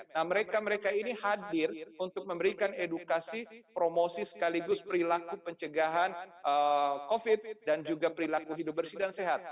nah mereka mereka ini hadir untuk memberikan edukasi promosi sekaligus perilaku pencegahan covid dan juga perilaku hidup bersih dan sehat